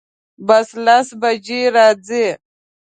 بس لس بجی راځي